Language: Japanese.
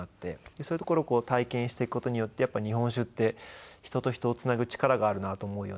そういうところを体験していく事によってやっぱり日本酒って人と人をつなぐ力があるなと思うようになって。